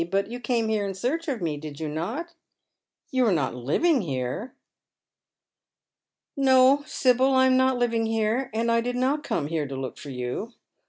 But you came here in search of me, did you not? You are not living here?" " No, Sibyl, I am not living here, and I did not come here to look for you.